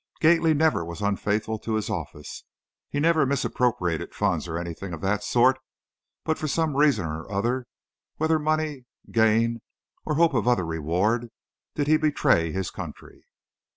Gately never was unfaithful to his office, he never misappropriated funds or anything of that sort, but for some reason or other, whether money gain, or hope of other reward, he did betray his country."